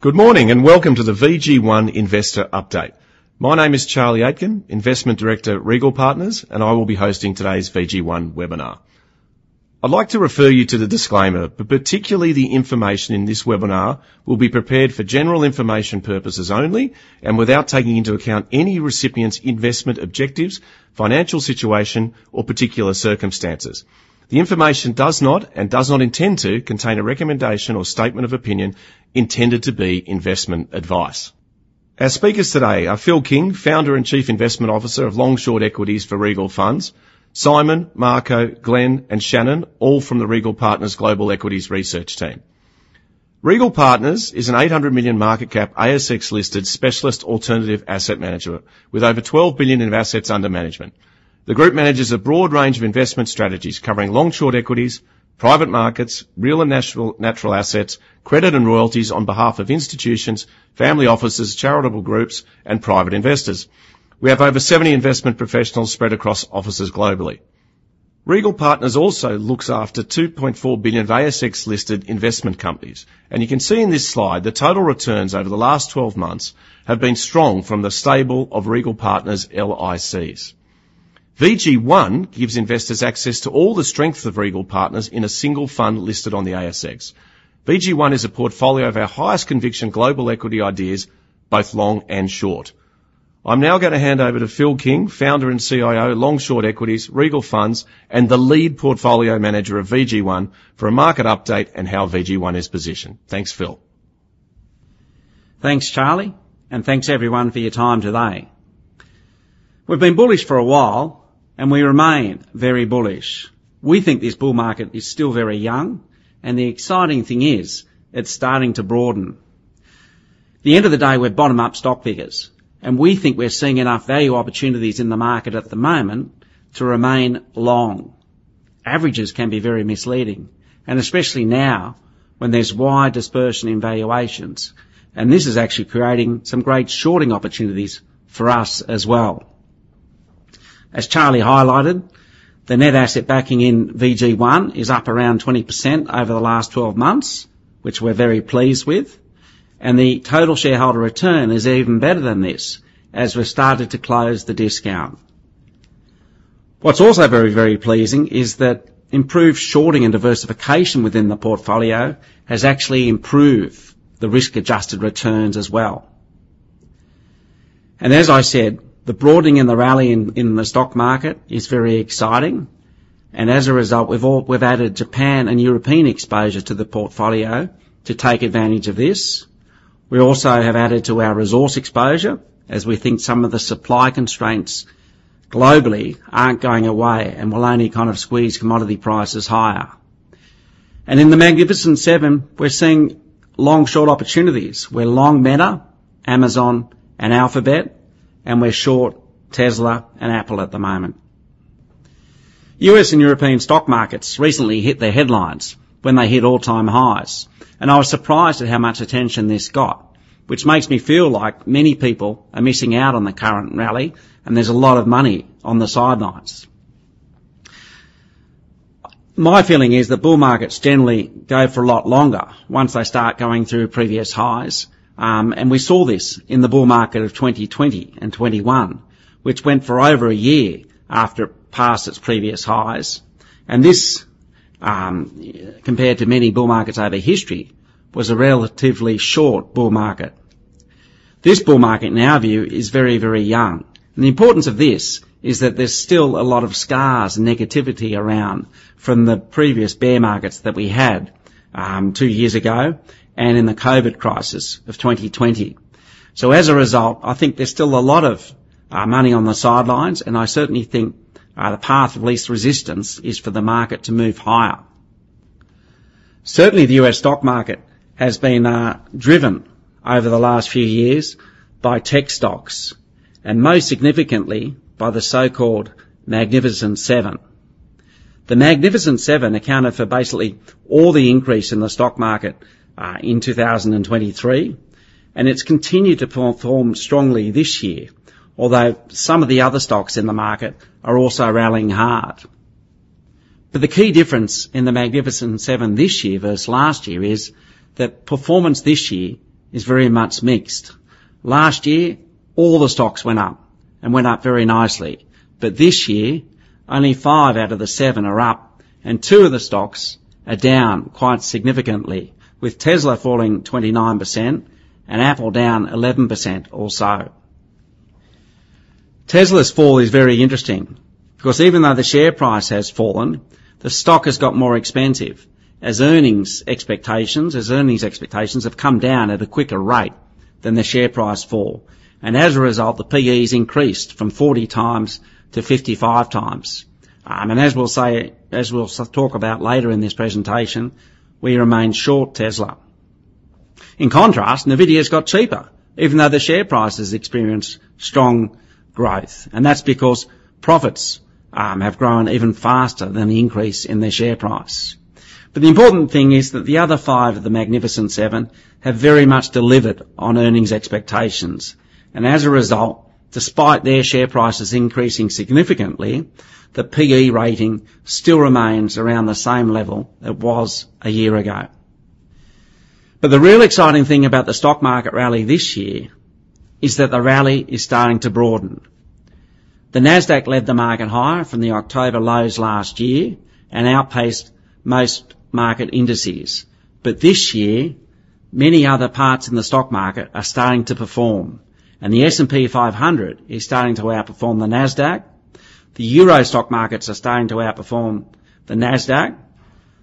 Good morning and welcome to the VGI One Investor Update. My name is Charlie Aitken, Investment Director of Regal Partners, and I will be hosting today's VGI One webinar. I'd like to refer you to the disclaimer, but particularly the information in this webinar will be prepared for general information purposes only and without taking into account any recipient's investment objectives, financial situation, or particular circumstances. The information does not and does not intend to contain a recommendation or statement of opinion intended to be investment advice. Our speakers today are Phil King, founder and chief investment officer of Long/Short Equities for Regal Funds; Simon, Marco, Glenn, and Shannon, all from the Regal Partners Global Equities Research Team. Regal Partners is an 800 million market cap ASX-listed specialist alternative asset manager with over 12 billion in assets under management. The group manages a broad range of investment strategies covering Long/Short Equities, private markets, real and natural assets, credit and royalties on behalf of institutions, family offices, charitable groups, and private investors. We have over 70 investment professionals spread across offices globally. Regal Partners also looks after 2.4 billion of ASX-listed investment companies, and you can see in this slide the total returns over the last 12 months have been strong from the stable of Regal Partners LICs. VGI One gives investors access to all the strengths of Regal Partners in a single fund listed on the ASX. VGI One is a portfolio of our highest conviction global equity ideas, both long and short. I'm now going to hand over to Phil King, founder and CIO of Long/Short Equities, Regal Funds, and the lead portfolio manager of VGI One for a market update and how VGI One is positioned. Thanks, Phil. Thanks, Charlie, and thanks everyone for your time today. We've been bullish for a while, and we remain very bullish. We think this bull market is still very young, and the exciting thing is it's starting to broaden. At the end of the day, we're bottom-up stock pickers, and we think we're seeing enough value opportunities in the market at the moment to remain long. Averages can be very misleading, and especially now when there's wide dispersion in valuations, and this is actually creating some great shorting opportunities for us as well. As Charlie highlighted, the net asset backing in VGI One is up around 20% over the last 12 months, which we're very pleased with, and the total shareholder return is even better than this as we've started to close the discount. What's also very, very pleasing is that improved shorting and diversification within the portfolio has actually improved the risk-adjusted returns as well. And as I said, the broadening and the rally in the stock market is very exciting, and as a result, we've added Japan and European exposure to the portfolio to take advantage of this. We also have added to our resource exposure as we think some of the supply constraints globally aren't going away and will only kind of squeeze commodity prices higher. And in the Magnificent Seven, we're seeing long-short opportunities. We're long Meta, Amazon, and Alphabet, and we're short Tesla and Apple at the moment. U.S. and European stock markets recently hit their headlines when they hit all-time highs, and I was surprised at how much attention this got, which makes me feel like many people are missing out on the current rally, and there's a lot of money on the sidelines. My feeling is the bull markets generally go for a lot longer once they start going through previous highs, and we saw this in the bull market of 2020 and 2021, which went for over a year after it passed its previous highs, and this, compared to many bull markets over history, was a relatively short bull market. This bull market, in our view, is very, very young, and the importance of this is that there's still a lot of scars and negativity around from the previous bear markets that we had two years ago and in the COVID crisis of 2020. So as a result, I think there's still a lot of money on the sidelines, and I certainly think the path of least resistance is for the market to move higher. Certainly, the US stock market has been driven over the last few years by tech stocks, and most significantly by the so-called Magnificent Seven. The Magnificent Seven accounted for basically all the increase in the stock market in 2023, and it's continued to perform strongly this year, although some of the other stocks in the market are also rallying hard. But the key difference in the Magnificent Seven this year versus last year is that performance this year is very much mixed. Last year, all the stocks went up and went up very nicely, but this year, only 5 out of the 7 are up, and two of the stocks are down quite significantly, with Tesla falling 29% and Apple down 11% also. Tesla's fall is very interesting because even though the share price has fallen, the stock has got more expensive as earnings expectations have come down at a quicker rate than the share price fall, and as a result, the P/E has increased from 40x to 55x. And as we'll talk about later in this presentation, we remain short Tesla. In contrast, Nvidia's got cheaper even though the share prices experienced strong growth, and that's because profits have grown even faster than the increase in their share price. But the important thing is that the other five of the Magnificent Seven have very much delivered on earnings expectations, and as a result, despite their share prices increasing significantly, the P/E rating still remains around the same level it was a year ago. But the real exciting thing about the stock market rally this year is that the rally is starting to broaden. The Nasdaq led the market higher from the October lows last year and outpaced most market indices, but this year, many other parts in the stock market are starting to perform, and the S&P 500 is starting to outperform the Nasdaq. The euro stock markets are starting to outperform the Nasdaq.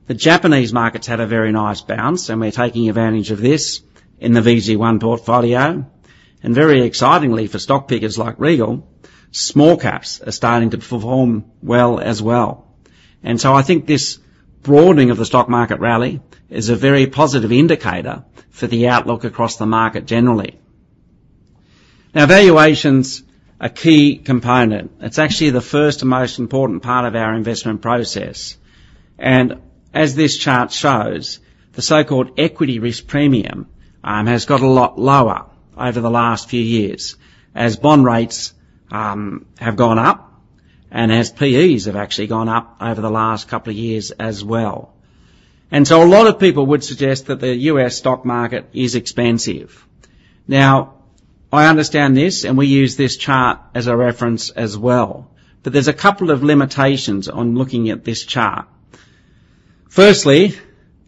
The Japanese markets had a very nice bounce, and we're taking advantage of this in the VGI One portfolio. And very excitingly for stock pickers like Regal, small caps are starting to perform well as well. And so I think this broadening of the stock market rally is a very positive indicator for the outlook across the market generally. Now, valuations are a key component. It's actually the first and most important part of our investment process. And as this chart shows, the so-called equity risk premium has got a lot lower over the last few years as bond rates have gone up and as P/Es have actually gone up over the last couple of years as well. And so a lot of people would suggest that the U.S. stock market is expensive. Now, I understand this, and we use this chart as a reference as well, but there's a couple of limitations on looking at this chart. Firstly,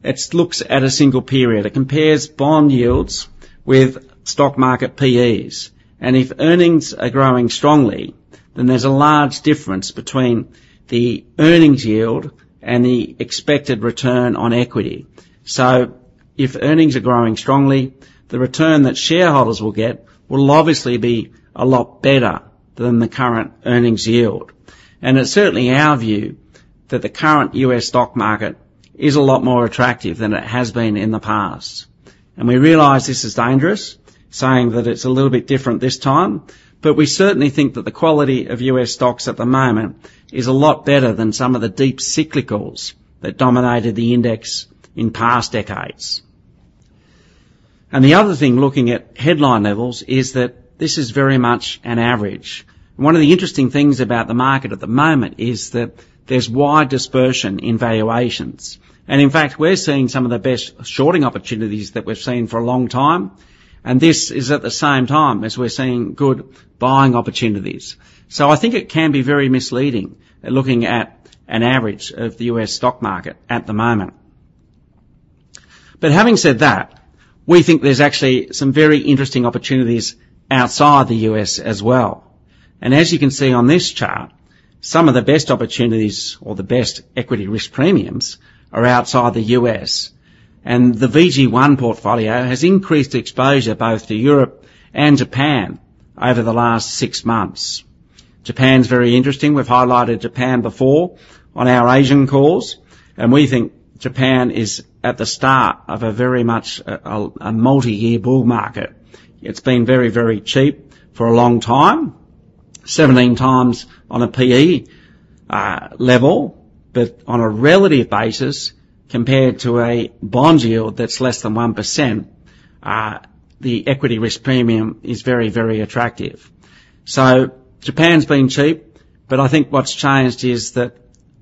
it looks at a single period. It compares bond yields with stock market P/Es, and if earnings are growing strongly, then there's a large difference between the earnings yield and the expected return on equity. So if earnings are growing strongly, the return that shareholders will get will obviously be a lot better than the current earnings yield. And it's certainly our view that the current U.S. stock market is a lot more attractive than it has been in the past. And we realize this is dangerous saying that it's a little bit different this time, but we certainly think that the quality of U.S. stocks at the moment is a lot better than some of the deep cyclicals that dominated the index in past decades. And the other thing looking at headline levels is that this is very much an average. One of the interesting things about the market at the moment is that there's wide dispersion in valuations, and in fact, we're seeing some of the best shorting opportunities that we've seen for a long time, and this is at the same time as we're seeing good buying opportunities. So I think it can be very misleading looking at an average of the U.S. stock market at the moment. But having said that, we think there's actually some very interesting opportunities outside the U.S. as well. And as you can see on this chart, some of the best opportunities or the best equity risk premiums are outside the U.S., and the VGI One portfolio has increased exposure both to Europe and Japan over the last six months. Japan's very interesting. We've highlighted Japan before on our Asian calls, and we think Japan is at the start of a very much a multi-year bull market. It's been very, very cheap for a long time, 17x on a P/E level, but on a relative basis, compared to a bond yield that's less than 1%, the equity risk premium is very, very attractive. So Japan's been cheap, but I think what's changed is that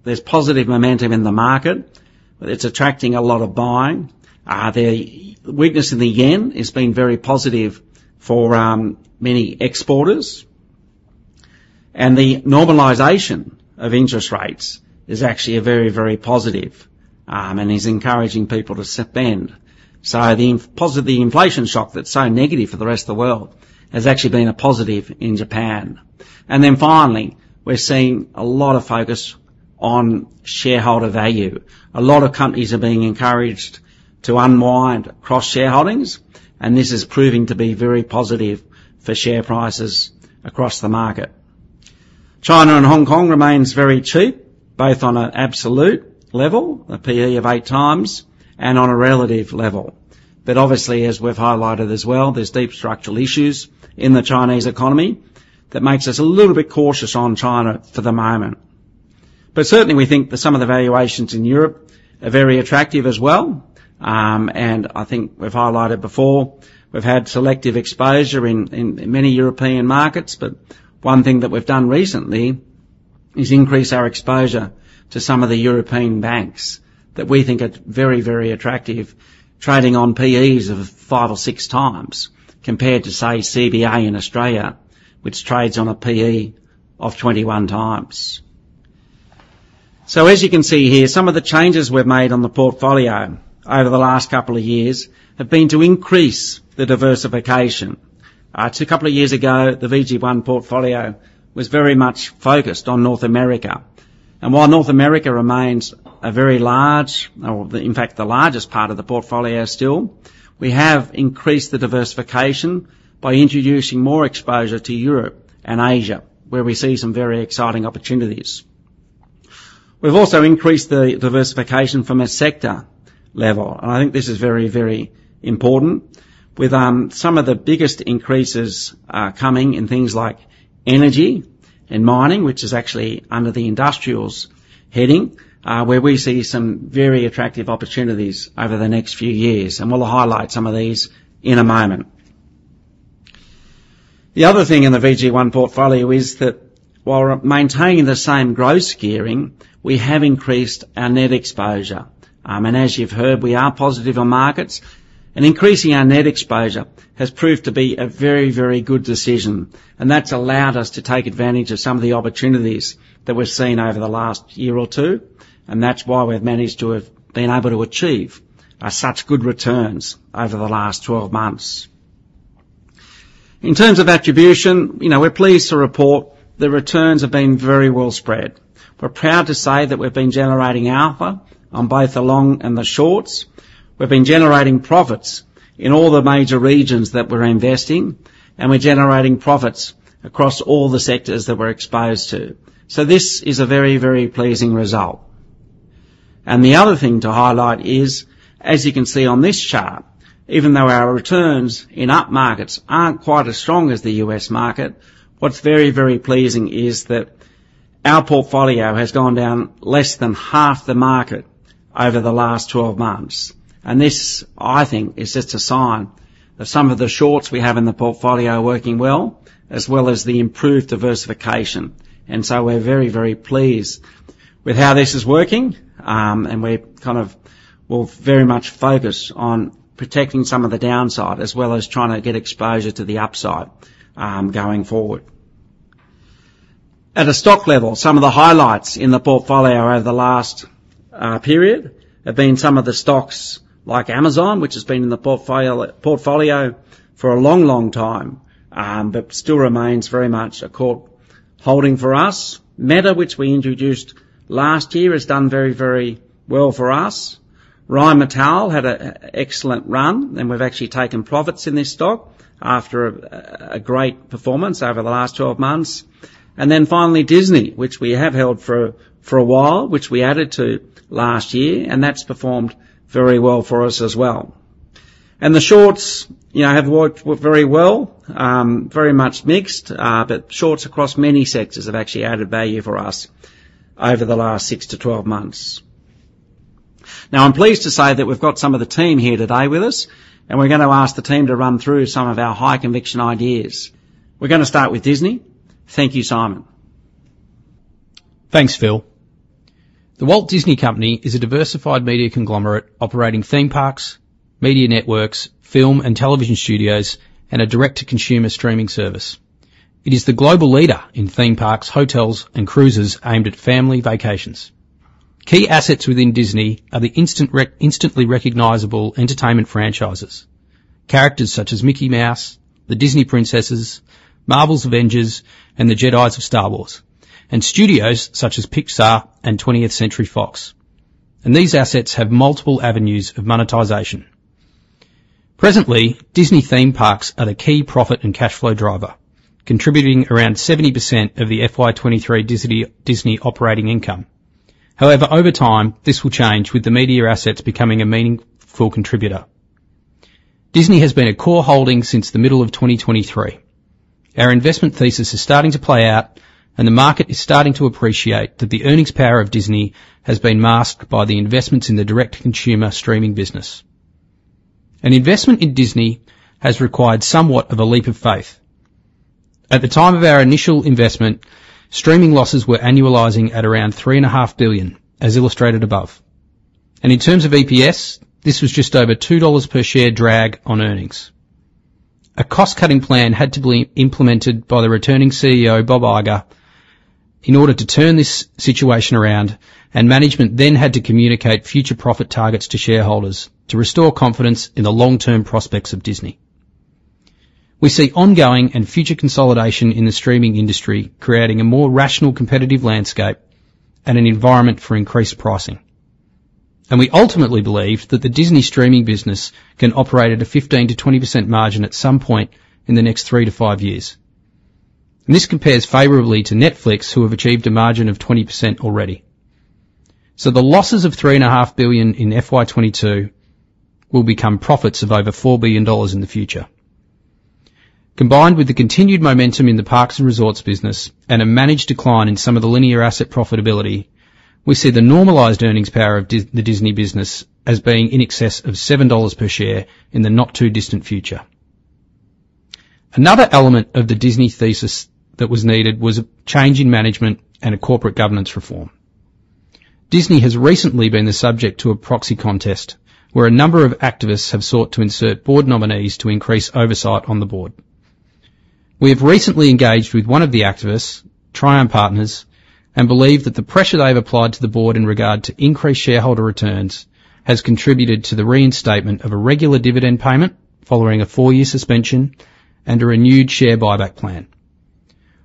there's positive momentum in the market. It's attracting a lot of buying. The weakness in the yen has been very positive for many exporters, and the normalization of interest rates is actually very, very positive and is encouraging people to spend. So the inflation shock that's so negative for the rest of the world has actually been a positive in Japan. And then finally, we're seeing a lot of focus on shareholder value. A lot of companies are being encouraged to unwind cross-shareholdings, and this is proving to be very positive for share prices across the market. China and Hong Kong remains very cheap, both on an absolute level, a P/E of 8x, and on a relative level. But obviously, as we've highlighted as well, there's deep structural issues in the Chinese economy that makes us a little bit cautious on China for the moment. But certainly, we think that some of the valuations in Europe are very attractive as well, and I think we've highlighted before, we've had selective exposure in many European markets, but one thing that we've done recently is increase our exposure to some of the European banks that we think are very, very attractive, trading on P/Es of 5x or 6x compared to, say, CBA in Australia, which trades on a P/E of 21x. So as you can see here, some of the changes we've made on the portfolio over the last couple of years have been to increase the diversification. A couple of years ago, the VGI One portfolio was very much focused on North America, and while North America remains a very large or, in fact, the largest part of the portfolio still, we have increased the diversification by introducing more exposure to Europe and Asia, where we see some very exciting opportunities. We've also increased the diversification from a sector level, and I think this is very, very important, with some of the biggest increases coming in things like energy and mining, which is actually under the industrials heading, where we see some very attractive opportunities over the next few years, and we'll highlight some of these in a moment. The other thing in the VGI One portfolio is that while maintaining the same growth gearing, we have increased our net exposure. As you've heard, we are positive on markets, and increasing our net exposure has proved to be a very, very good decision, and that's allowed us to take advantage of some of the opportunities that we've seen over the last year or two, and that's why we've managed to have been able to achieve such good returns over the last 12 months. In terms of attribution, we're pleased to report the returns have been very well spread. We're proud to say that we've been generating alpha on both the long and the shorts. We've been generating profits in all the major regions that we're investing, and we're generating profits across all the sectors that we're exposed to. This is a very, very pleasing result. The other thing to highlight is, as you can see on this chart, even though our returns in up markets aren't quite as strong as the US market, what's very, very pleasing is that our portfolio has gone down less than half the market over the last 12 months, and this, I think, is just a sign of some of the shorts we have in the portfolio working well as well as the improved diversification. So we're very, very pleased with how this is working, and we'll very much focus on protecting some of the downside as well as trying to get exposure to the upside going forward. At a stock level, some of the highlights in the portfolio over the last period have been some of the stocks like Amazon, which has been in the portfolio for a long, long time but still remains very much a core holding for us. Meta, which we introduced last year, has done very, very well for us. Rheinmetall had an excellent run, and we've actually taken profits in this stock after a great performance over the last 12 months. And then finally, Disney, which we have held for a while, which we added to last year, and that's performed very well for us as well. And the shorts have worked very well, very much mixed, but shorts across many sectors have actually added value for us over the last 6-12 months. Now, I'm pleased to say that we've got some of the team here today with us, and we're going to ask the team to run through some of our high-conviction ideas. We're going to start with Disney. Thank you, Simon. Thanks, Phil. The Walt Disney Company is a diversified media conglomerate operating theme parks, media networks, film and television studios, and a direct-to-consumer streaming service. It is the global leader in theme parks, hotels, and cruises aimed at family vacations. Key assets within Disney are the instantly recognizable entertainment franchises, characters such as Mickey Mouse, the Disney Princesses, Marvel's Avengers, and the Jedi of Star Wars, and studios such as Pixar and 20th Century Fox. These assets have multiple avenues of monetization. Presently, Disney theme parks are the key profit and cash flow driver, contributing around 70% of the FY 2023 Disney operating income. However, over time, this will change with the media assets becoming a meaningful contributor. Disney has been a core holding since the middle of 2023. Our investment thesis is starting to play out, and the market is starting to appreciate that the earnings power of Disney has been masked by the investments in the direct-to-consumer streaming business. An investment in Disney has required somewhat of a leap of faith. At the time of our initial investment, streaming losses were annualizing at around $3.5 billion, as illustrated above. In terms of EPS, this was just over $2 per share drag on earnings. A cost-cutting plan had to be implemented by the returning CEO, Bob Iger, in order to turn this situation around, and management then had to communicate future profit targets to shareholders to restore confidence in the long-term prospects of Disney. We see ongoing and future consolidation in the streaming industry creating a more rational competitive landscape and an environment for increased pricing. We ultimately believe that the Disney streaming business can operate at a 15%-20% margin at some point in the next three to five years. This compares favorably to Netflix, who have achieved a margin of 20% already. The losses of $3.5 billion in FY 2022 will become profits of over $4 billion in the future. Combined with the continued momentum in the parks and resorts business and a managed decline in some of the linear asset profitability, we see the normalized earnings power of the Disney business as being in excess of $7 per share in the not too distant future. Another element of the Disney thesis that was needed was a change in management and a corporate governance reform. Disney has recently been the subject of a proxy contest where a number of activists have sought to insert board nominees to increase oversight on the board. We have recently engaged with one of the activists, Trian Partners, and believe that the pressure they've applied to the board in regard to increased shareholder returns has contributed to the reinstatement of a regular dividend payment following a four-year suspension and a renewed share buyback plan.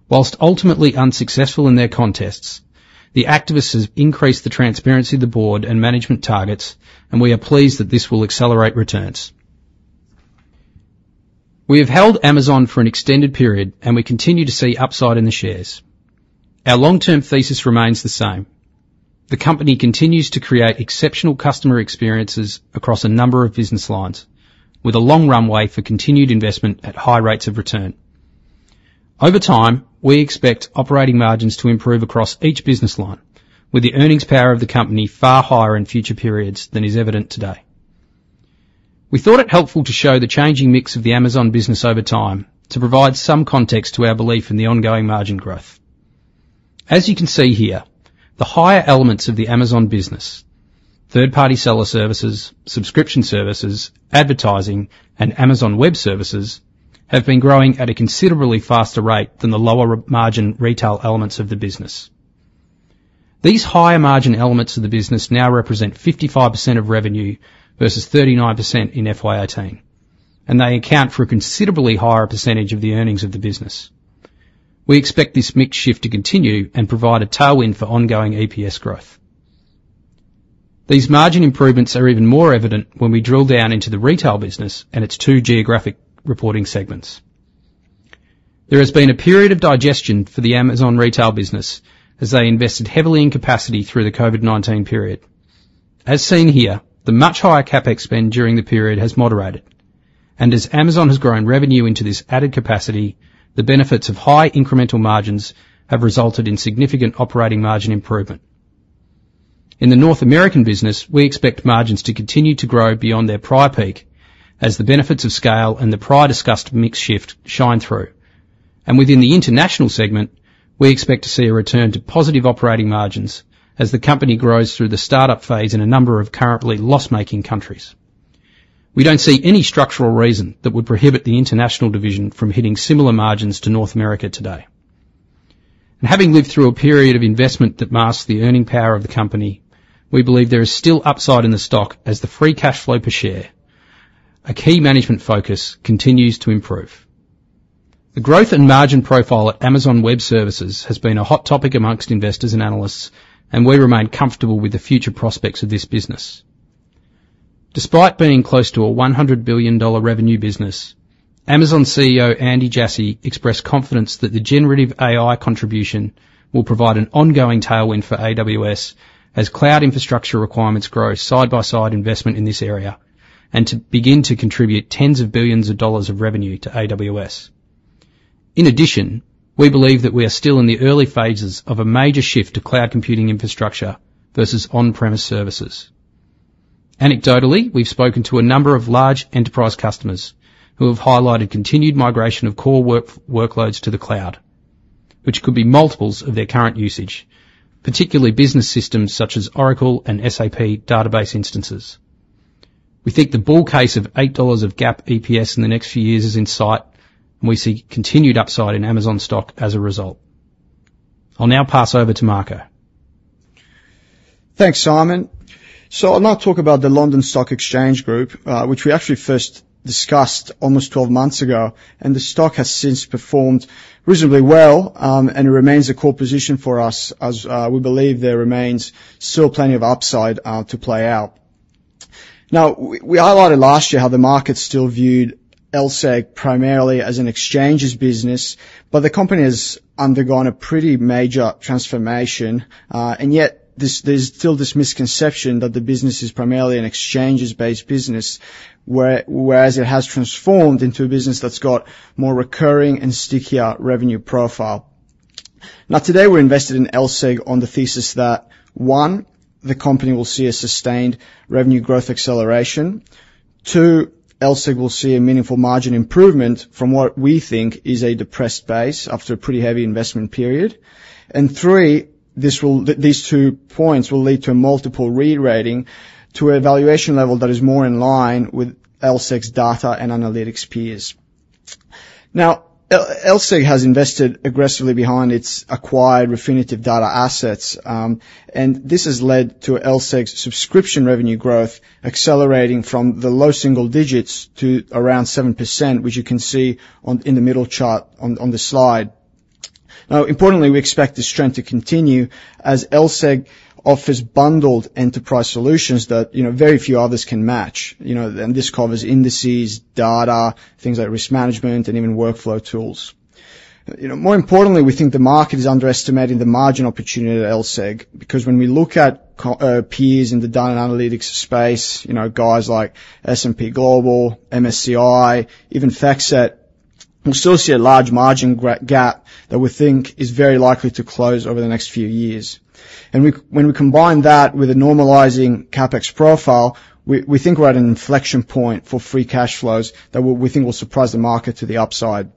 While ultimately unsuccessful in their contests, the activists have increased the transparency of the board and management targets, and we are pleased that this will accelerate returns. We have held Amazon for an extended period, and we continue to see upside in the shares. Our long-term thesis remains the same. The company continues to create exceptional customer experiences across a number of business lines with a long runway for continued investment at high rates of return. Over time, we expect operating margins to improve across each business line, with the earnings power of the company far higher in future periods than is evident today. We thought it helpful to show the changing mix of the Amazon business over time to provide some context to our belief in the ongoing margin growth. As you can see here, the higher elements of the Amazon business, third-party seller services, subscription services, advertising, and Amazon Web Services, have been growing at a considerably faster rate than the lower margin retail elements of the business. These higher margin elements of the business now represent 55% of revenue versus 39% in FY 2018, and they account for a considerably higher percentage of the earnings of the business. We expect this mix shift to continue and provide a tailwind for ongoing EPS growth. These margin improvements are even more evident when we drill down into the retail business and its two geographic reporting segments. There has been a period of digestion for the Amazon retail business as they invested heavily in capacity through the COVID-19 period. As seen here, the much higher CapEx spend during the period has moderated, and as Amazon has grown revenue into this added capacity, the benefits of high incremental margins have resulted in significant operating margin improvement. In the North American business, we expect margins to continue to grow beyond their prior peak as the benefits of scale and the prior discussed mix shift shine through. Within the international segment, we expect to see a return to positive operating margins as the company grows through the startup phase in a number of currently loss-making countries. We don't see any structural reason that would prohibit the international division from hitting similar margins to North America today. Having lived through a period of investment that masked the earning power of the company, we believe there is still upside in the stock as the free cash flow per share, a key management focus, continues to improve. The growth and margin profile at Amazon Web Services has been a hot topic among investors and analysts, and we remain comfortable with the future prospects of this business. Despite being close to a $100 billion revenue business, Amazon CEO Andy Jassy expressed confidence that the generative AI contribution will provide an ongoing tailwind for AWS as cloud infrastructure requirements grow side-by-side investment in this area and to begin to contribute tens of billions of dollars of revenue to AWS. In addition, we believe that we are still in the early phases of a major shift to cloud computing infrastructure versus on-premise services. Anecdotally, we've spoken to a number of large enterprise customers who have highlighted continued migration of core workloads to the cloud, which could be multiples of their current usage, particularly business systems such as Oracle and SAP database instances. We think the bull case of $8 of GAAP EPS in the next few years is in sight, and we see continued upside in Amazon stock as a result. I'll now pass over to Marco. Thanks, Simon. I'll now talk about the London Stock Exchange Group, which we actually first discussed almost 12 months ago, and the stock has since performed reasonably well, and it remains a core position for us as we believe there remains still plenty of upside to play out. Now, we highlighted last year how the market still viewed LSEG primarily as an exchange's business, but the company has undergone a pretty major transformation, and yet there's still this misconception that the business is primarily an exchange's-based business, whereas it has transformed into a business that's got more recurring and stickier revenue profile. Now, today we're invested in LSEG on the thesis that, one, the company will see a sustained revenue growth acceleration. Two, LSEG will see a meaningful margin improvement from what we think is a depressed base after a pretty heavy investment period. Three, these two points will lead to a multiple re-rating to a valuation level that is more in line with LSEG's data and analytics peers. Now, LSEG has invested aggressively behind its acquired Refinitiv data assets, and this has led to LSEG's subscription revenue growth accelerating from the low single digits to around 7%, which you can see in the middle chart on the slide. Now, importantly, we expect this trend to continue as LSEG offers bundled enterprise solutions that very few others can match, and this covers indices, data, things like risk management, and even workflow tools. More importantly, we think the market is underestimating the margin opportunity at LSEG because when we look at peers in the data and analytics space, guys like S&P Global, MSCI, even FactSet, we'll still see a large margin gap that we think is very likely to close over the next few years. When we combine that with a normalizing CapEx profile, we think we're at an inflection point for free cash flows that we think will surprise the market to the upside.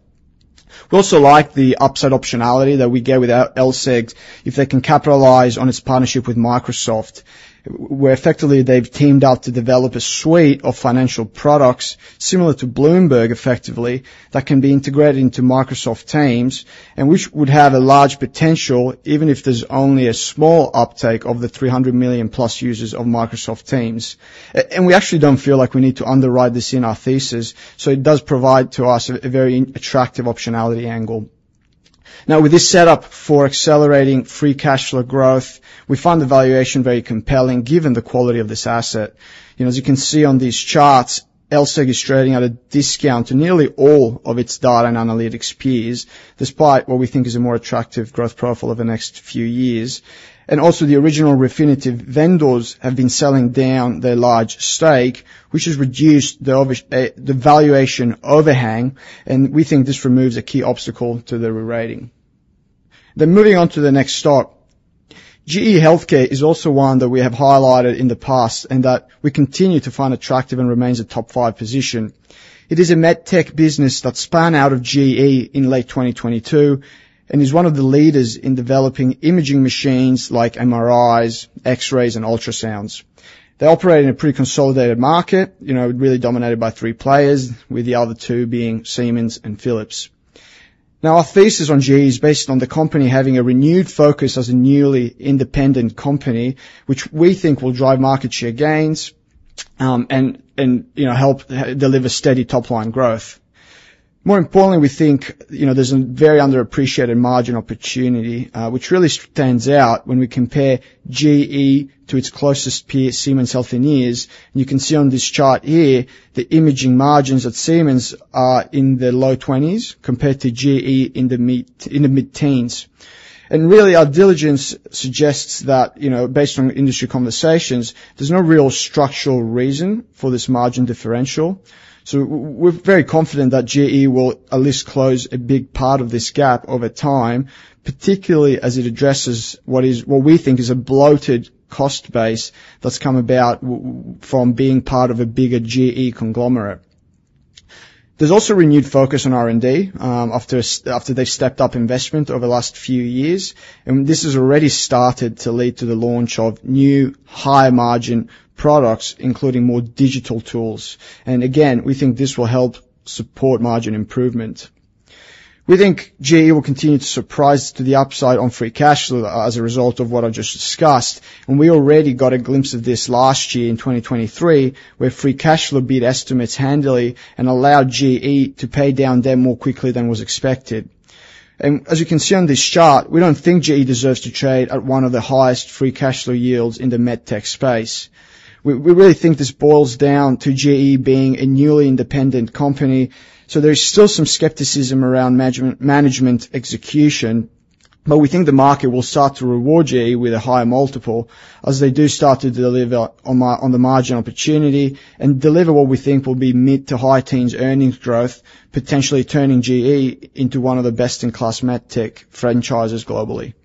We also like the upside optionality that we get with LSEG if they can capitalize on its partnership with Microsoft, where effectively they've teamed up to develop a suite of financial products similar to Bloomberg, effectively, that can be integrated into Microsoft Teams and which would have a large potential even if there's only a small uptake of the 300 million+ users of Microsoft Teams. We actually don't feel like we need to underwrite this in our thesis, so it does provide to us a very attractive optionality angle. Now, with this setup for accelerating free cash flow growth, we find the valuation very compelling given the quality of this asset. As you can see on these charts, LSEG is trading at a discount to nearly all of its data and analytics peers, despite what we think is a more attractive growth profile over the next few years. Also, the original Refinitiv vendors have been selling down their large stake, which has reduced the valuation overhang, and we think this removes a key obstacle to the re-rating. Moving on to the next stock, GE Healthcare is also one that we have highlighted in the past and that we continue to find attractive and remains a top five position. It is a medtech business that spun out of GE in late 2022 and is one of the leaders in developing imaging machines like MRIs, X-rays, and ultrasounds. They operate in a pretty consolidated market, really dominated by three players, with the other two being Siemens and Philips. Now, our thesis on GE is based on the company having a renewed focus as a newly independent company, which we think will drive market share gains and help deliver steady top-line growth. More importantly, we think there's a very underappreciated margin opportunity, which really stands out when we compare GE to its closest peer, Siemens Healthineers. You can see on this chart here the imaging margins at Siemens are in the low 20s% compared to GE in the mid-teens%. Really, our diligence suggests that, based on industry conversations, there's no real structural reason for this margin differential. So we're very confident that GE will at least close a big part of this gap over time, particularly as it addresses what we think is a bloated cost base that's come about from being part of a bigger GE conglomerate. There's also renewed focus on R&D after they've stepped up investment over the last few years, and this has already started to lead to the launch of new high-margin products, including more digital tools. And again, we think this will help support margin improvement. We think GE will continue to surprise to the upside on free cash flow as a result of what I just discussed, and we already got a glimpse of this last year in 2023, where free cash flow beat estimates handily and allowed GE to pay down debt more quickly than was expected. As you can see on this chart, we don't think GE deserves to trade at one of the highest free cash flow yields in the medtech space. We really think this boils down to GE being a newly independent company, so there's still some skepticism around management execution, but we think the market will start to reward GE with a higher multiple as they do start to deliver on the margin opportunity and deliver what we think will be mid- to high-teens earnings growth, potentially turning GE into one of the best-in-class medtech franchises globally.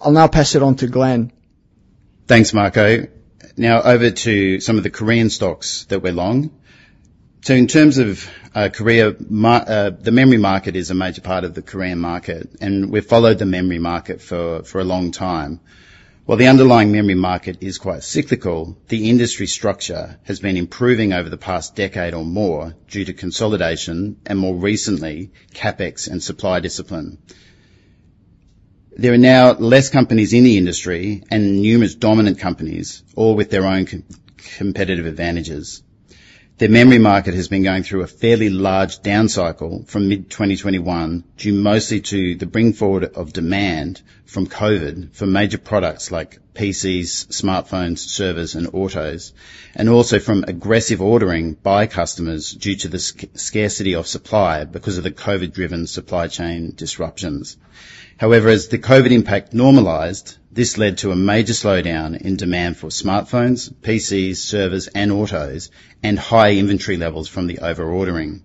I'll now pass it on to Glenn. Thanks, Marco. Now, over to some of the Korean stocks that we're long. So in terms of Korea, the memory market is a major part of the Korean market, and we've followed the memory market for a long time. While the underlying memory market is quite cyclical, the industry structure has been improving over the past decade or more due to consolidation and, more recently, capex and supply discipline. There are now less companies in the industry and numerous dominant companies, all with their own competitive advantages. The memory market has been going through a fairly large downcycle from mid-2021 due mostly to the bringforward of demand from COVID for major products like PCs, smartphones, servers, and autos, and also from aggressive ordering by customers due to the scarcity of supply because of the COVID-driven supply chain disruptions. However, as the COVID impact normalized, this led to a major slowdown in demand for smartphones, PCs, servers, and autos, and high inventory levels from the over-ordering.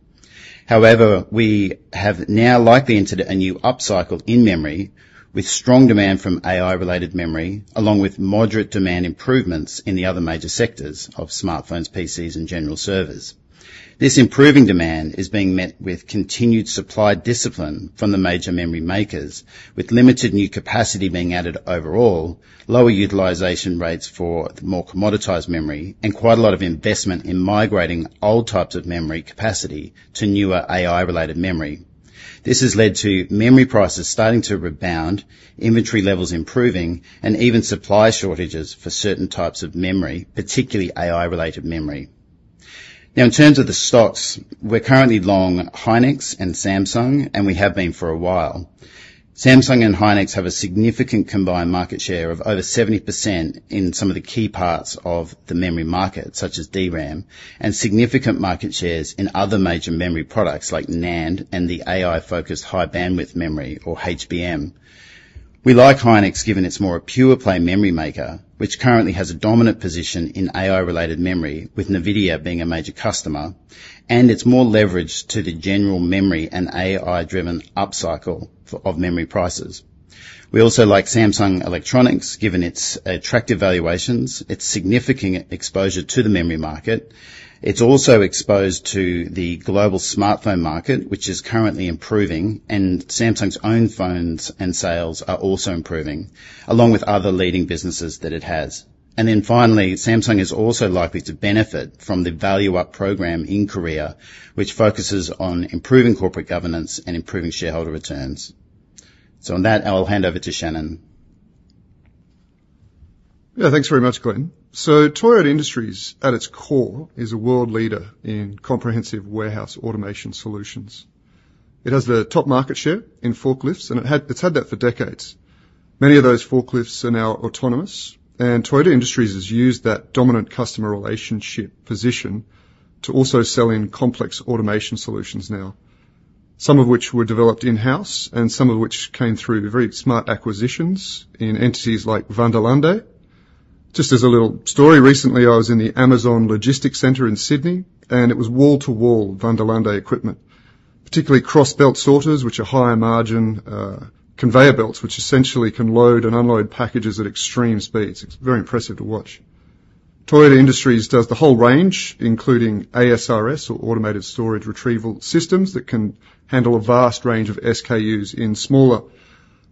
However, we have now likely entered a new upcycle in memory with strong demand from AI-related memory, along with moderate demand improvements in the other major sectors of smartphones, PCs, and general servers. This improving demand is being met with continued supply discipline from the major memory makers, with limited new capacity being added overall, lower utilization rates for more commoditized memory, and quite a lot of investment in migrating old types of memory capacity to newer AI-related memory. This has led to memory prices starting to rebound, inventory levels improving, and even supply shortages for certain types of memory, particularly AI-related memory. Now, in terms of the stocks, we're currently long SK hynix and Samsung, and we have been for a while. Samsung Electronics and SK hynix have a significant combined market share of over 70% in some of the key parts of the memory market, such as DRAM, and significant market shares in other major memory products like NAND and the AI-focused high-bandwidth memory, or HBM. We like SK hynix given it's more a pure-play memory maker, which currently has a dominant position in AI-related memory, with NVIDIA being a major customer, and it's more leveraged to the general memory and AI-driven upcycle of memory prices. We also like Samsung Electronics given its attractive valuations, its significant exposure to the memory market. It's also exposed to the global smartphone market, which is currently improving, and Samsung's own phones and sales are also improving, along with other leading businesses that it has. Then finally, Samsung is also likely to benefit from the Value-up program in Korea, which focuses on improving corporate governance and improving shareholder returns. On that, I'll hand over to Shannon. Yeah, thanks very much, Glenn. So Toyota Industries, at its core, is a world leader in comprehensive warehouse automation solutions. It has the top market share in forklifts, and it's had that for decades. Many of those forklifts are now autonomous, and Toyota Industries has used that dominant customer relationship position to also sell in complex automation solutions now, some of which were developed in-house and some of which came through very smart acquisitions in entities like Vanderlande. Just as a little story, recently I was in the Amazon Logistics Centre in Sydney, and it was wall-to-wall Vanderlande equipment, particularly cross-belt sorters, which are higher-margin conveyor belts, which essentially can load and unload packages at extreme speeds. It's very impressive to watch. Toyota Industries does the whole range, including ASRS, or Automated Storage Retrieval Systems, that can handle a vast range of SKUs in smaller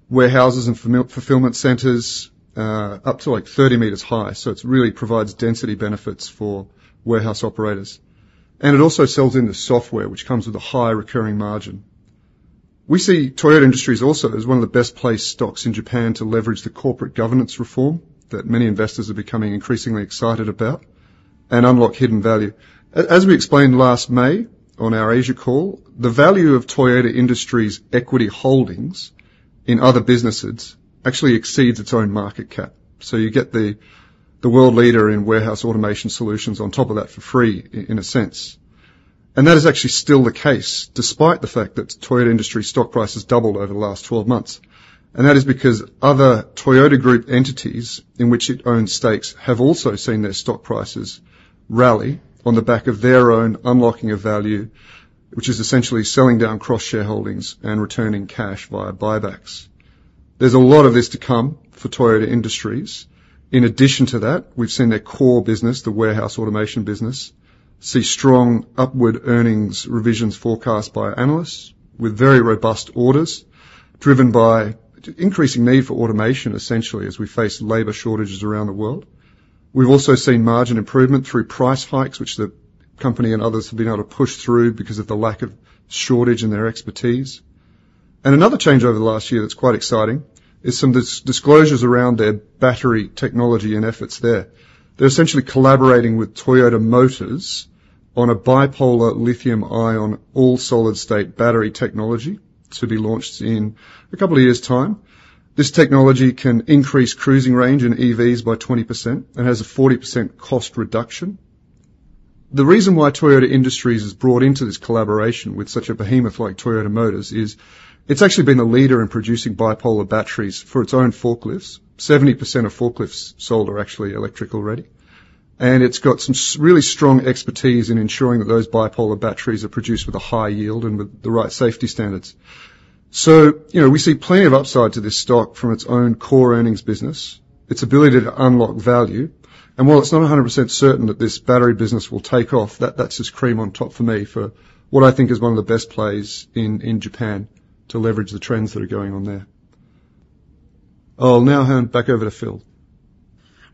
warehouses and fulfillment centers up to 30 m high, so it really provides density benefits for warehouse operators. It also sells in the software, which comes with a high recurring margin. We see Toyota Industries also as one of the best-placed stocks in Japan to leverage the corporate governance reform that many investors are becoming increasingly excited about and unlock hidden value. As we explained last May on our Asia call, the value of Toyota Industries' equity holdings in other businesses actually exceeds its own market cap. You get the world leader in warehouse automation solutions on top of that for free, in a sense. That is actually still the case, despite the fact that Toyota Industries' stock price has doubled over the last 12 months. That is because other Toyota Group entities in which it owns stakes have also seen their stock prices rally on the back of their own unlocking of value, which is essentially selling down cross-shareholdings and returning cash via buybacks. There's a lot of this to come for Toyota Industries. In addition to that, we've seen their core business, the warehouse automation business, see strong upward earnings revisions forecast by analysts with very robust orders driven by increasing need for automation, essentially, as we face labor shortages around the world. We've also seen margin improvement through price hikes, which the company and others have been able to push through because of the lack of shortage in their expertise. Another change over the last year that's quite exciting is some disclosures around their battery technology and efforts there. They're essentially collaborating with Toyota Motors on a bipolar lithium-ion all-solid-state battery technology to be launched in a couple of years' time. This technology can increase cruising range in EVs by 20% and has a 40% cost reduction. The reason why Toyota Industries is brought into this collaboration with such a behemoth like Toyota Motors is it's actually been the leader in producing bipolar batteries for its own forklifts. 70% of forklifts sold are actually electric already. And it's got some really strong expertise in ensuring that those bipolar batteries are produced with a high yield and with the right safety standards. So we see plenty of upside to this stock from its own core earnings business, its ability to unlock value. While it's not 100% certain that this battery business will take off, that's just cream on top for me for what I think is one of the best plays in Japan to leverage the trends that are going on there. I'll now hand back over to Phil.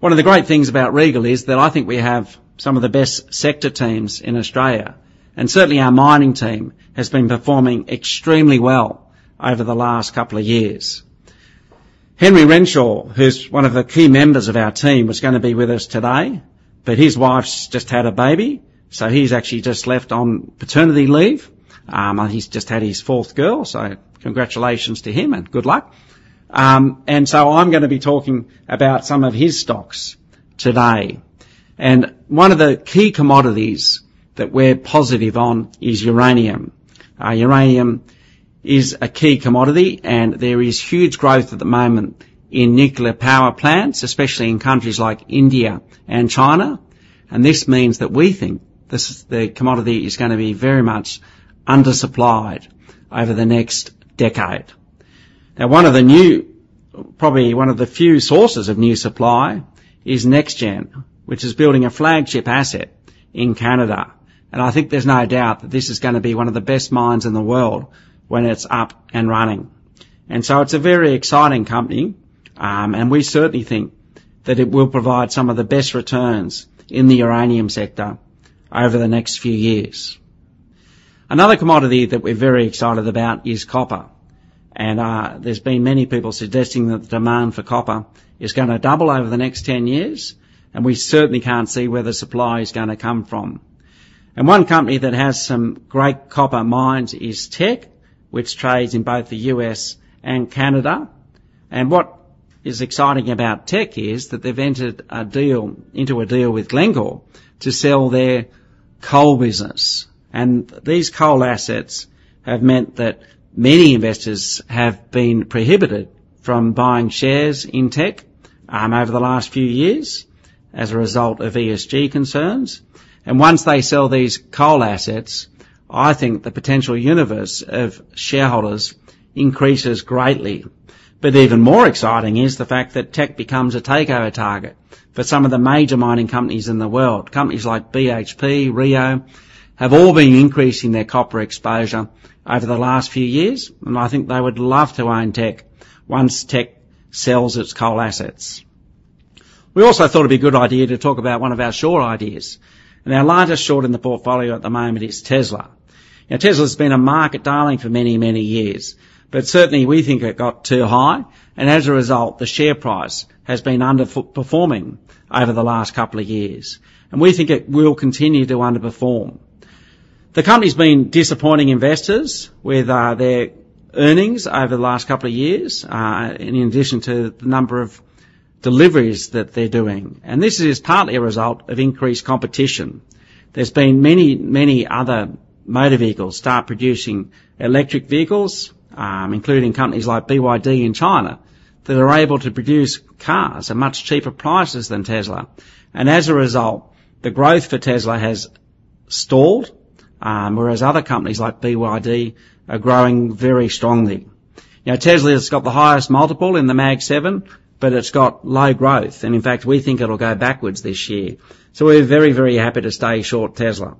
One of the great things about Regal is that I think we have some of the best sector teams in Australia, and certainly our mining team has been performing extremely well over the last couple of years. Henry Renshaw, who's one of the key members of our team, was going to be with us today, but his wife's just had a baby, so he's actually just left on paternity leave. He's just had his fourth girl, so congratulations to him and good luck. And so I'm going to be talking about some of his stocks today. And one of the key commodities that we're positive on is uranium. Uranium is a key commodity, and there is huge growth at the moment in nuclear power plants, especially in countries like India and China. This means that we think the commodity is going to be very much undersupplied over the next decade. Now, probably one of the few sources of new supply is NexGen, which is building a flagship asset in Canada. I think there's no doubt that this is going to be one of the best mines in the world when it's up and running. So it's a very exciting company, and we certainly think that it will provide some of the best returns in the uranium sector over the next few years. Another commodity that we're very excited about is copper. There's been many people suggesting that the demand for copper is going to double over the next 10 years, and we certainly can't see where the supply is going to come from. One company that has some great copper mines is Teck, which trades in both the U.S. and Canada. What is exciting about Teck is that they've entered into a deal with Glencore to sell their coal business. These coal assets have meant that many investors have been prohibited from buying shares in Teck over the last few years as a result of ESG concerns. Once they sell these coal assets, I think the potential universe of shareholders increases greatly. But even more exciting is the fact that Teck becomes a takeover target for some of the major mining companies in the world. Companies like BHP, Rio, have all been increasing their copper exposure over the last few years, and I think they would love to own Teck once Teck sells its coal assets. We also thought it'd be a good idea to talk about one of our short ideas. Our largest short in the portfolio at the moment is Tesla. Now, Tesla's been a market darling for many, many years, but certainly we think it got too high, and as a result, the share price has been underperforming over the last couple of years. We think it will continue to underperform. The company's been disappointing investors with their earnings over the last couple of years, in addition to the number of deliveries that they're doing. This is partly a result of increased competition. There's been many, many other motor vehicles start producing electric vehicles, including companies like BYD in China, that are able to produce cars at much cheaper prices than Tesla. As a result, the growth for Tesla has stalled, whereas other companies like BYD are growing very strongly. Now, Tesla has got the highest multiple in the MAG7, but it's got low growth. In fact, we think it'll go backwards this year. So we're very, very happy to stay short Tesla.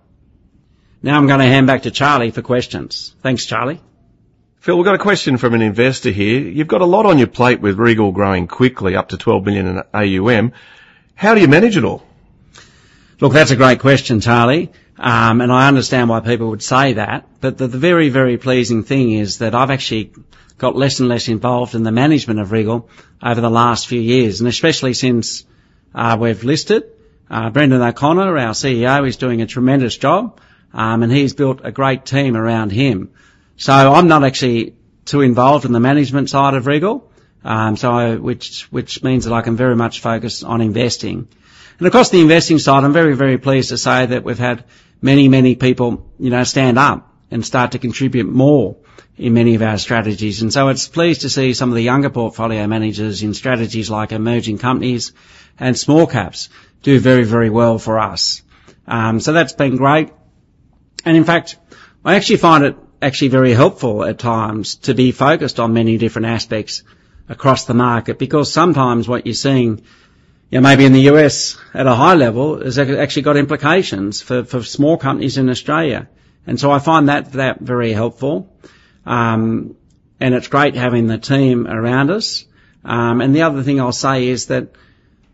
Now, I'm going to hand back to Charlie for questions. Thanks, Charlie. Phil, we've got a question from an investor here. You've got a lot on your plate with Regal growing quickly, up to 12 million in AUM. How do you manage it all? Look, that's a great question, Charlie, and I understand why people would say that. But the very, very pleasing thing is that I've actually got less and less involved in the management of Regal over the last few years, and especially since we've listed. Brendan O'Connor, our CEO, is doing a tremendous job, and he's built a great team around him. So I'm not actually too involved in the management side of Regal, which means that I can very much focus on investing. And across the investing side, I'm very, very pleased to say that we've had many, many people stand up and start to contribute more in many of our strategies. And so it's pleasing to see some of the younger portfolio managers in strategies like emerging companies and small caps do very, very well for us. So that's been great. In fact, I actually find it actually very helpful at times to be focused on many different aspects across the market because sometimes what you're seeing, maybe in the U.S. at a high level, has actually got implications for small companies in Australia. So I find that very helpful, and it's great having the team around us. The other thing I'll say is that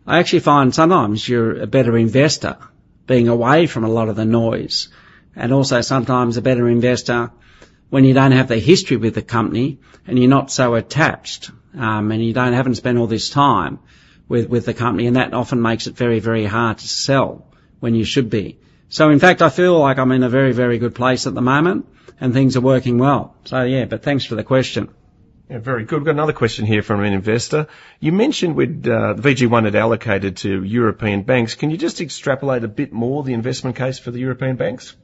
I actually find sometimes you're a better investor being away from a lot of the noise and also sometimes a better investor when you don't have the history with the company and you're not so attached and you haven't spent all this time with the company. That often makes it very, very hard to sell when you should be. In fact, I feel like I'm in a very, very good place at the moment, and things are working well. Yeah, but thanks for the question. Yeah, very good. We've got another question here from an investor. You mentioned VGI had allocated to European banks. Can you just extrapolate a bit more the investment case for the European banks?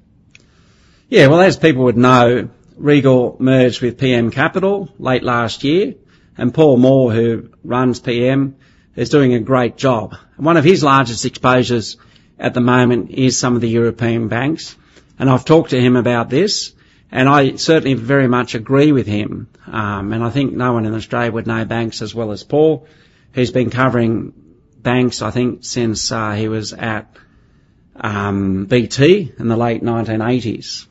Yeah, well, as people would know, Regal merged with PM Capital late last year, and Paul Moore, who runs PM, is doing a great job. One of his largest exposures at the moment is some of the European banks. I've talked to him about this, and I certainly very much agree with him. I think no one in Australia would know banks as well as Paul. He's been covering banks, I think, since he was at BT in the late 1980s.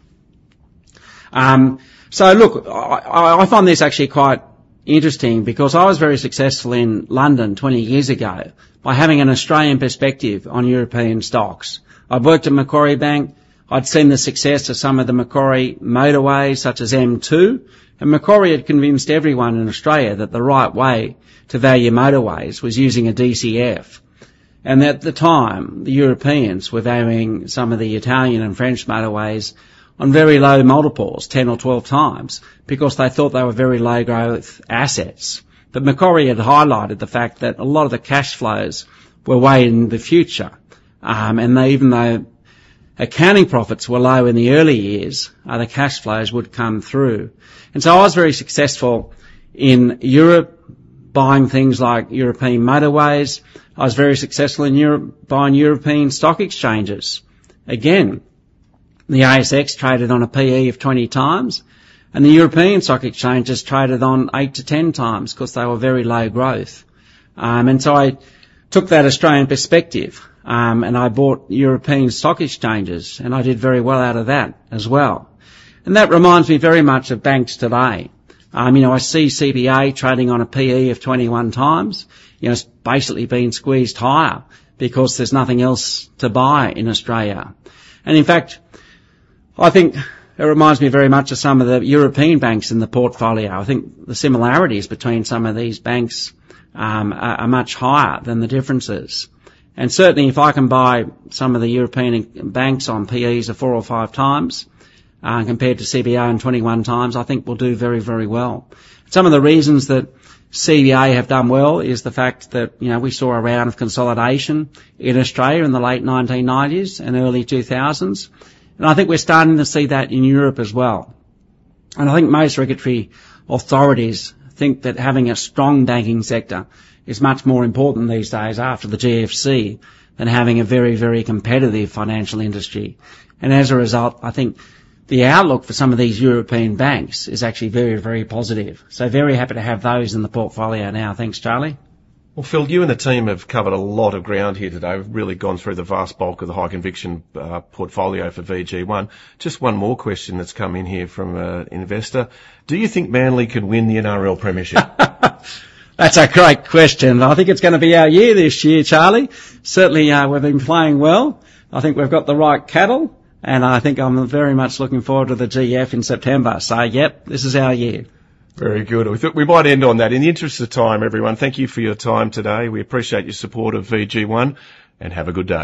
So look, I find this actually quite interesting because I was very successful in London 20 years ago by having an Australian perspective on European stocks. I've worked at Macquarie Bank. I'd seen the success of some of the Macquarie motorways, such as M2. Macquarie had convinced everyone in Australia that the right way to value motorways was using a DCF. At the time, the Europeans were valuing some of the Italian and French motorways on very low multiples, 10x or 12x, because they thought they were very low-growth assets. But Macquarie had highlighted the fact that a lot of the cash flows were weighed in the future, and even though accounting profits were low in the early years, the cash flows would come through. So I was very successful in Europe buying things like European motorways. I was very successful in Europe buying European stock exchanges. Again, the ASX traded on a P/E of 20x, and the European stock exchanges traded on 8x-10x because they were very low growth. So I took that Australian perspective, and I bought European stock exchanges, and I did very well out of that as well. That reminds me very much of banks today. I see CBA trading on a PE of 21x. It's basically been squeezed higher because there's nothing else to buy in Australia. In fact, I think it reminds me very much of some of the European banks in the portfolio. I think the similarities between some of these banks are much higher than the differences. Certainly, if I can buy some of the European banks on PEs of 4 or 5x compared to CBA on 21x, I think we'll do very, very well. Some of the reasons that CBA have done well is the fact that we saw a round of consolidation in Australia in the late 1990s and early 2000s. I think we're starting to see that in Europe as well. I think most regulatory authorities think that having a strong banking sector is much more important these days after the GFC than having a very, very competitive financial industry. And as a result, I think the outlook for some of these European banks is actually very, very positive. Very happy to have those in the portfolio now. Thanks, Charlie. Well, Phil, you and the team have covered a lot of ground here today. We've really gone through the vast bulk of the high-conviction portfolio for VGI One. Just one more question that's come in here from an investor. Do you think Manly could win the NRL Premiership? That's a great question. I think it's going to be our year this year, Charlie. Certainly, we've been playing well. I think we've got the right cattle, and I think I'm very much looking forward to the GF in September. So yep, this is our year. Very good. We might end on that. In the interest of time, everyone, thank you for your time today. We appreciate your support of VGI One, and have a good day.